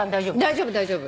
大丈夫大丈夫。